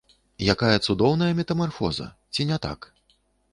Якая цудоўная метамарфоза, ці не так?